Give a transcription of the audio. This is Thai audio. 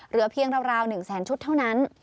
เหลือเพียงราว๑แสนชุดเท่านั้น